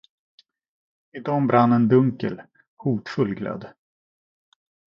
I dem brann en dunkel, hotfull glöd.